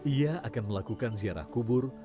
ia akan melakukan ziarah kubur